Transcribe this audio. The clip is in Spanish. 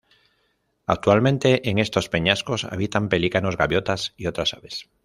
Actualmente, en estos peñascos habitan pelícanos, gaviotas y otras aves.